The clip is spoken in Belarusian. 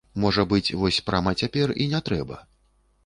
Можа быць, вось прама цяпер і не трэба.